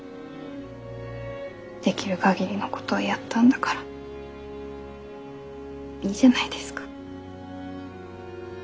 できるかぎりのことをやったんだからいいじゃないですか。